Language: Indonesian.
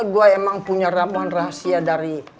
gue emang punya ramuan rahasia dari